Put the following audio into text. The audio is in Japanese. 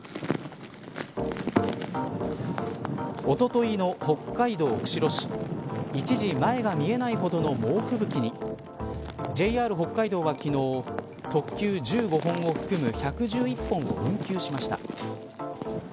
おとといの北海道釧路市一時前が見えないほどの猛吹雪にＪＲ北海道は昨日特急１５本を含む１１１本を運休しました。